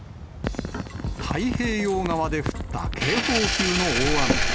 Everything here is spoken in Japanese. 太平洋側で降った警報級の大雨。